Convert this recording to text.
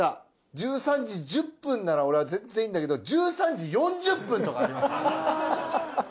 １３時１０分なら俺は全然いいんだけど１３時４０分とかありますから。